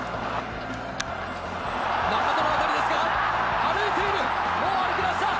中田の当たりですが、歩いている、もう歩きました。